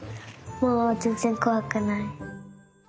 もうぜんぜんこわくない。